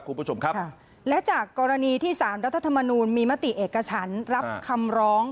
คุณผู้ชมครับและจากกรณีที่สารรัฐธรรมนูลมีมติเอกชั้นรับคำร้อง